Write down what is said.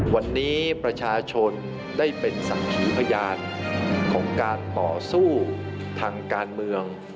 วันนี้ประชาชนได้เป็นศักดิ์ขีพยานของการต่อสู้ทางการเมือง